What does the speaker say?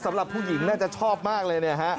สำหรับผู้หญิงน่าจะชอบมากเลย